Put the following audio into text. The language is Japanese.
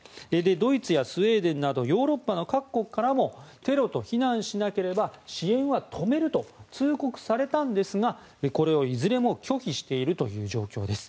ドイツやスウェーデンなどヨーロッパの各国からもテロと非難しなければ支援は止めると通告されたんですがこれをいずれも拒否しているという状況です。